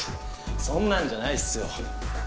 そんなんじゃないっすよ。